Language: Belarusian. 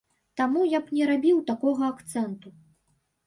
Таму я б не рабіў такога акцэнту.